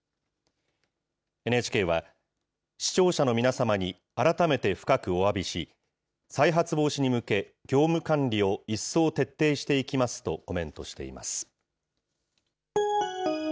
ＮＨＫは、視聴者の皆様に改めて深くおわびし、再発防止に向け、業務管理を一層徹底していきますとコメントしています。